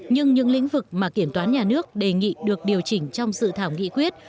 nhưng những lĩnh vực mà kiểm toán nhà nước đề nghị được điều chỉnh trong dự thảo nghị quyết